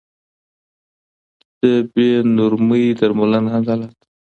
د بې نورمۍ درملنه عدالت دی.